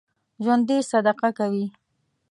ژوندي صدقه کوي